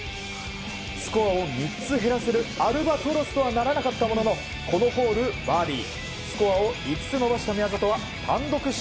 スコアを３つ減らせるアルバトロスとはならなかったもののこのホール、バーディー。